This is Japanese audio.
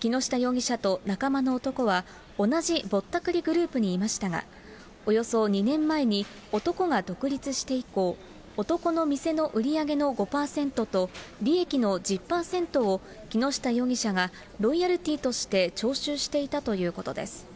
木下容疑者と仲間の男は、同じぼったくりグループにいましたが、およそ２年前に、男が独立して以降、男の店の売り上げの５％と利益の１０％を、木下容疑者がロイヤルティーとして徴収していたということです。